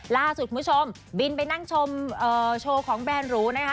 ล่าสุดคุณผู้ชมบินไปนั่งชมโชว์ของแบรนด์หรูนะคะ